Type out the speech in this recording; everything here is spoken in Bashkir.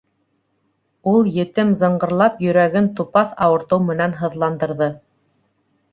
Ул етем зыңғырлап йөрәген тупаҫ ауыртыу менән һыҙландырҙы.